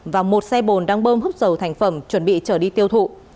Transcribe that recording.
và một xe bồn đang bơm hút dầu thành phẩm chuẩn bị trở đi tiêu thụ